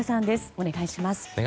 お願いします。